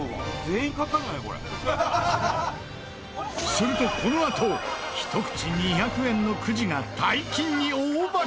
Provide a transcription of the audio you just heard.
するとこのあと１口２００円のくじが大金に大化け！